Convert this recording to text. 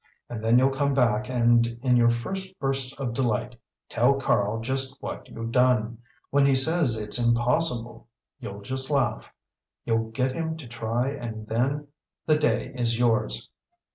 And then you'll come back and in your first bursts of delight tell Karl just what you've done. When he says it's impossible, you'll just laugh. You'll get him to try and then the day is yours."